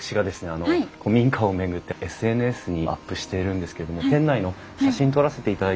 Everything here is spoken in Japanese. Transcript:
あの古民家を巡ってＳＮＳにアップしているんですけれども店内の写真撮らせていただいてもよろしいですか？